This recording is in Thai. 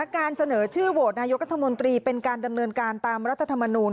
การเสนอชื่อโหวตนายกรัฐมนตรีเป็นการดำเนินการตามรัฐธรรมนูล